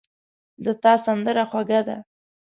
د تا سندره خوږه ده